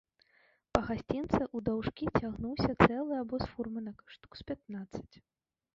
Па гасцінцы ўдаўжкі цягнуўся цэлы абоз фурманак, штук з пятнаццаць.